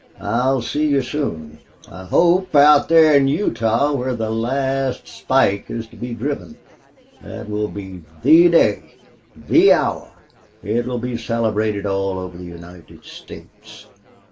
"I'll see you soon, I hope out there in Utah where the last spike is to be driven. That will be THE day THE hour!... It will be celebrated all over the United States."